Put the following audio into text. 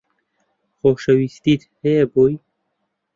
خۆشەویستیت هەیە بۆی